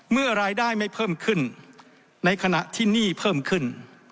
เมื่อรายได้ไม่เพิ่มขึ้นในขณะที่หนี้เพิ่มขึ้น